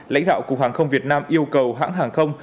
lãnh đạo cục hàng không việt nam yêu cầu hãng hàng không